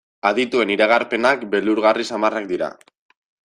Adituen iragarpenak beldurgarri samarrak dira.